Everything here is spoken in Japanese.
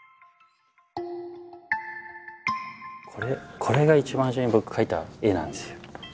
これが一番初めに僕描いた絵なんですよ。